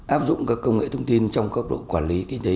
áp dụng các công nghệ thông tin trong cấp độ quản lý kinh tế y tế